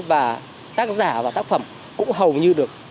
và tác giả và tác phẩm cũng hầu như được